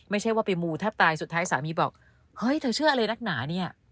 ไม่ใช่ว่าไปมูแทบตายสุดท้ายสามีบอกเฮ้ยเธอเชื่ออะไรนักหนาเนี่ย